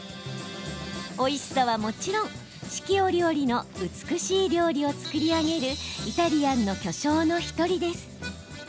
おいしさは、もちろん四季折々の美しい料理を作り上げるイタリアンの巨匠の１人です。